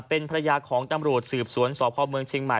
เป็นภรรยาของตำรวจสืบสวนสพเมืองเชียงใหม่